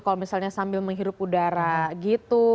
kalau misalnya sambil menghirup udara gitu